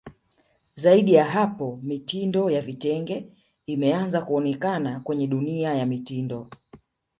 Zaidi ya hapo mitindo ya vitenge imeanze kuonekana kwenye dunia ya mitindo